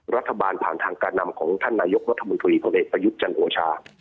รัฐบาลผ่านทางการนำของท่านนายกรัฐบุรถมือถุลีพระเอกประยุทธ์จังหัวชา